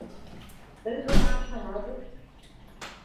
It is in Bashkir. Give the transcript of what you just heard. Беҙ быға ышанабыҙ.